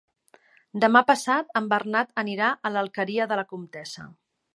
Demà passat en Bernat anirà a l'Alqueria de la Comtessa.